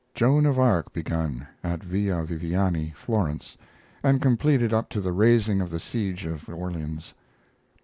JOAN OF ARC begun (at Villa Viviani, Florence) and completed up to the raising of the Siege of Orleans.